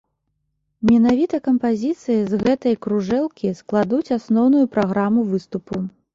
Менавіта кампазіцыі з гэтай кружэлкі складуць асноўную праграму выступу.